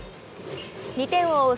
２点を追う